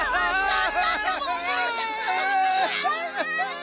あ！